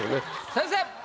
先生！